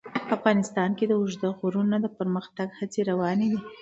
افغانستان کې د اوږده غرونه د پرمختګ هڅې روانې دي.